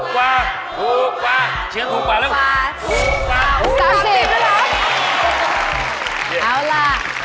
ถูกกว่า